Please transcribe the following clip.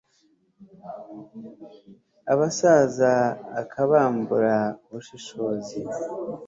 abasaza akabambura ubushishozi